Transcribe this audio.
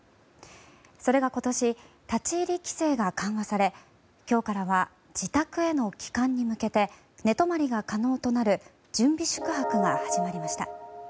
それが今年立ち入り規制が緩和され今日からは自宅への帰還に向けて寝泊まりが可能となる準備宿泊が始まりました。